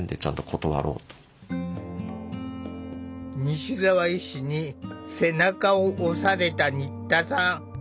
西澤医師に背中を押された新田さん。